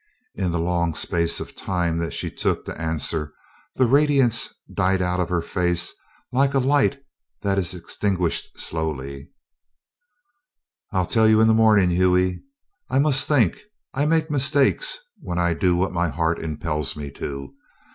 In the long space of time that she took to answer, the radiance died out of her face like a light that is extinguished slowly: "I'll tell you in the morning, Hughie. I must think. I make mistakes when I do what my heart impels me to.